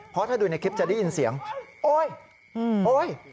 เพราะถ้าดูในคลิปจะได้ยินเสียงโอ๊ยโอ๊ย